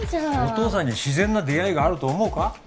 お父さんに自然な出会いがあると思うか？